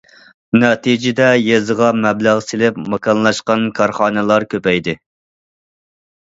نەتىجىدە، يېزىغا مەبلەغ سېلىپ ماكانلاشقان كارخانىلار كۆپەيدى.